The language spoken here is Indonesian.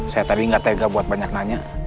saya tadi nggak tega buat banyak nanya